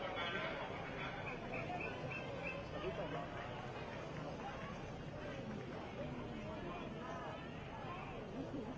ตอนนี้ไม่อยู่้ายเลยนะพอว่าจะเก็บเครื่องอร่อย